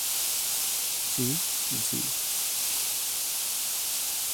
জি, জি।